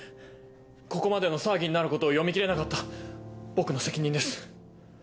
ここまでの騒ぎになることを読み切れなかった僕の責任です。